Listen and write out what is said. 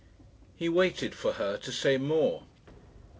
He waited for her to say more.